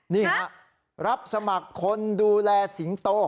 นี่ฮะรับสมัครคนดูแลสิงโต